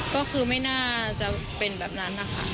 ก็คือไม่น่าจะเป็นแบบนั้นนะคะ